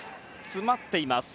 詰まっています。